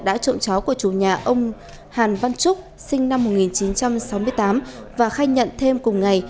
đã trộm chó của chủ nhà ông hàn văn trúc sinh năm một nghìn chín trăm sáu mươi tám và khai nhận thêm cùng ngày